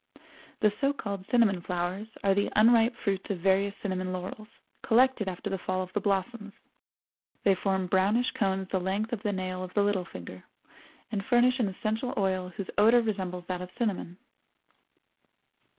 The so called cinnamon flowers are the unripe fruits of various cinnamon laurels, collected after the fall of the blossoms. They form brownish cones the length of the nail of the little finger, and furnish an essential oil whose odor resembles that of cinnamon.